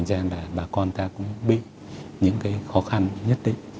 thì bà con ta cũng bị những khó khăn nhất định